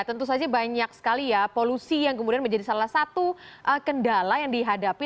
tentu saja banyak sekali ya polusi yang kemudian menjadi salah satu kendala yang dihadapi